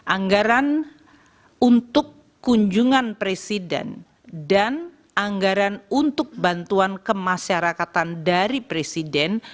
anggaran untuk kunjungan presiden dan anggaran untuk bantuan kemasyarakatan dari presiden